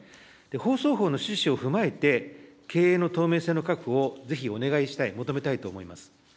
放送法の趣旨を踏まえて、経営の透明性の確保をぜひお願いしたい、求めたいと思います。